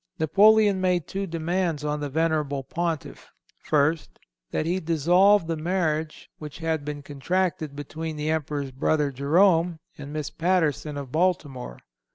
Napoleon makes two demands on the venerable Pontiff: First—That he dissolve the marriage which had been contracted between the Emperor's brother, Jerome, and Miss Patterson, of Baltimore.